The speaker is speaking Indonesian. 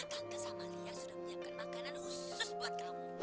tante sama lia sudah menyiapkan makanan usus buat kamu